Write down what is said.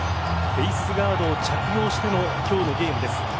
フェースガードを着用しての今日のゲームです。